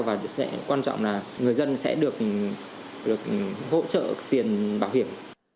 và quan trọng là người dân sẽ được hỗ trợ tiền bảo hiểm